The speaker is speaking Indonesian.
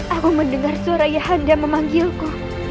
aku mendengar suara ayah anda memanggilku